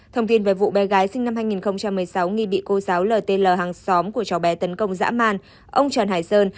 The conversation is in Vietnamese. thông tin về vụ bé gái sinh năm hai nghìn một mươi sáu nghi bị cô giáo l t l hàng xóm của chó bé tấn công dã man ông trần hải sơn